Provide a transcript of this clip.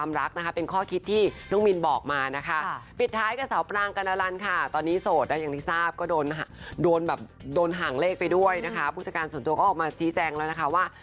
มันแบบโดนห่างเลขไปด้วยนะคะผู้จักรส่วนตัวก็ออกมาชี้แจงแล้วนะคะว่า